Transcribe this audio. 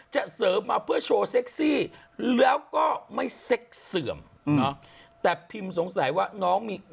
จะเสริมมาเพื่อโชว์เซ็กซี่แล้วก็ไม่เซ็กเสื่อมเนอะแต่พิมสงสัยว่าน้องมี